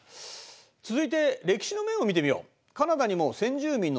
続いて歴史の面を見てみよう。